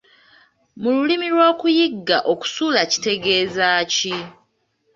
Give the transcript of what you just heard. Mu lulimi lw’okuyigga okusula kitegeeza ki?